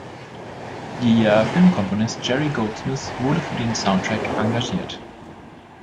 Der Filmkomponist Jerry Goldsmith wurde für den Soundtrack engagiert.